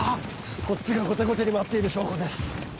こっちが後手後手に回っている証拠です。